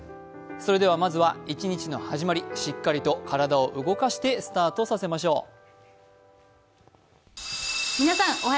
それでは、まずは一日の始まり、しっかりと体を動かしてスタートさせましょう。